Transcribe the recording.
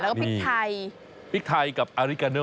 แล้วก็พริกไทยพริกไทยกับอาริกาโน